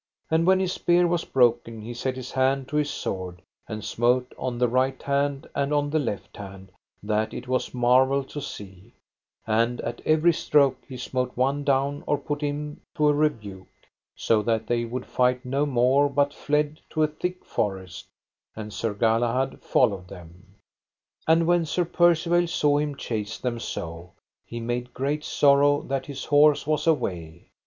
And when his spear was broken he set his hand to his sword, and smote on the right hand and on the left hand that it was marvel to see, and at every stroke he smote one down or put him to a rebuke, so that they would fight no more but fled to a thick forest, and Sir Galahad followed them. And when Sir Percivale saw him chase them so, he made great sorrow that his horse was away.